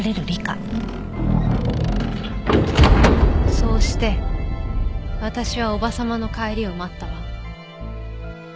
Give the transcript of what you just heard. そうして私は叔母様の帰りを待ったわ。